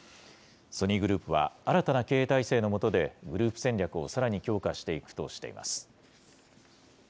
ソニーグループは新たな経営体制の下で、グループ戦略をさらに強化していくとしています。